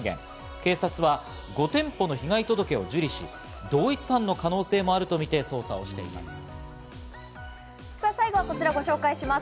警察は５店舗の被害届を受理し、同一犯の可能性もあるとみて捜査最後はこちらをご紹介します。